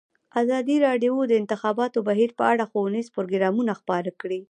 ازادي راډیو د د انتخاباتو بهیر په اړه ښوونیز پروګرامونه خپاره کړي.